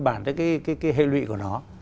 bản cái hệ lụy của nó